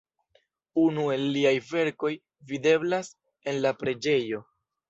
Unu el liaj verkoj videblas en la preĝejo.